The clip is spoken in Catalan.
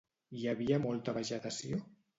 Hi havia molta vegetació?